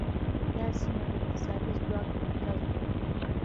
دا سیمه د اقتصادي ځواک مرکز و